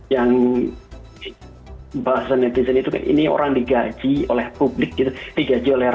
yang bahasa netizen itu kan ini orang digaji oleh publik gitu tiga juler